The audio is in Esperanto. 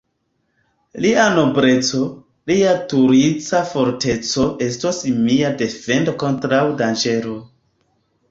Lia nobleco, lia tureca forteco estos mia defendo kontraŭ danĝero.